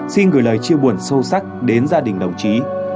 xin gửi lời chia buồn sâu sắc đến gia đình đồng chí